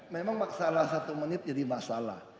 memang masalah satu menit jadi masalah